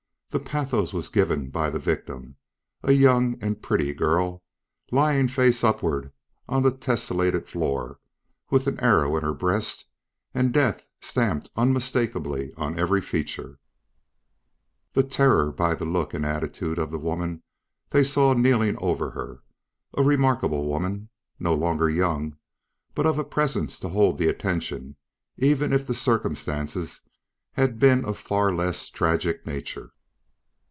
The pathos was given by the victim, a young and pretty girl lying face upward on the tessellated floor with an arrow in her breast and death stamped unmistakably on every feature, the terror by the look and attitude of the woman they saw kneeling over her a remarkable woman, no longer young, but of a presence to hold the attention, even if the circumstances had been of a far less tragic nature.